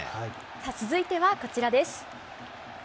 続いてはこちらです。